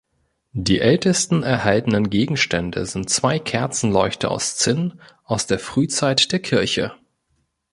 Die ältesten erhaltenen Gegenstände sind zwei Kerzenleuchter aus Zinn aus der Frühzeit der Kirche.